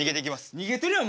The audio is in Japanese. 逃げてるよお前。